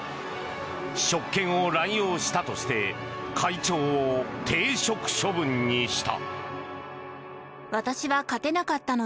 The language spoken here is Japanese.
職権を乱用したとして会長を停職処分にした。